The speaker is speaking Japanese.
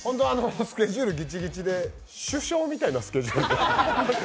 スケジュールギチギチで首相みたいなスケジュール。